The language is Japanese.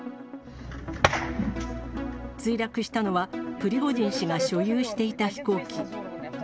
墜落したのは、プリゴジン氏が所有していた飛行機。